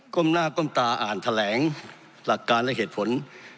้มหน้าก้มตาอ่านแถลงหลักการและเหตุผล